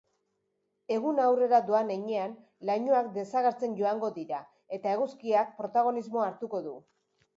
Eguna aurrera doan heinean lainoak desagertzen joango dira eta eguzkiak protagonismoa hartuko du.